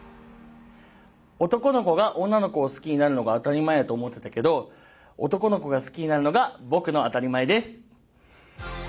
男の子が女の子を好きになるのが当たり前やと思ってたけど男の子が好きになるのが僕の当たり前です。